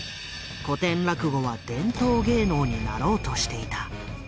古典落語は伝統芸能になろうとしていた。